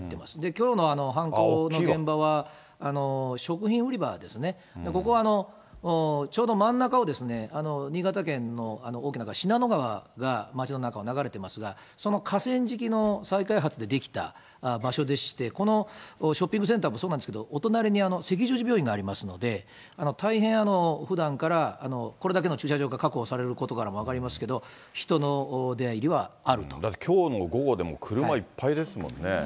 きょうの犯行の現場は、食品売り場ですね、ここはちょうど真ん中をですね、新潟県の大きな川、信濃川が町の中を流れてますが、その河川敷の再開発で出来た場所でして、このショッピングセンターもそうなんですけど、お隣に赤十字病院がありますので、大変、ふだんからこれだけの駐車場が確保されることからも分かりますけだってきょうの午後でも、車いっぱいですもんね。